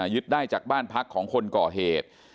ยึดได้จากบ้านพักของคนก่อเหตุ